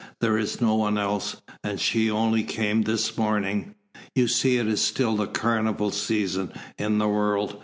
There is no one else, and she only came this morning. You see it is still the carnival season in the world.